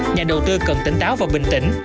nhà đầu tư cần tỉnh táo và bình tĩnh